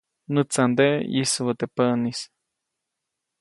Näʼtsanteʼe ʼyisubäʼ teʼ päʼnis.